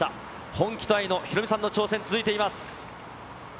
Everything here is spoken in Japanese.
本気と愛のヒロミさんの挑戦、続いています。